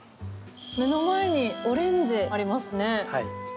目の前にオレンジありますね。